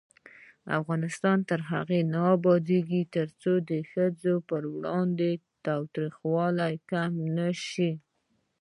افغانستان تر هغو نه ابادیږي، ترڅو د ښځو پر وړاندې تاوتریخوالی ختم نشي.